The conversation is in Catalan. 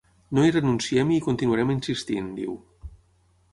No hi renunciem i hi continuarem insistint –diu–.